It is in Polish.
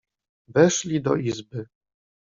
"Weszli do izby."